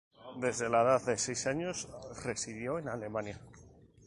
Desde la edad de seis años residió en Alemania.